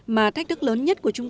mà thách thức lớn nhất của chúng ta